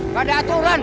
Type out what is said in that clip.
gak ada aturan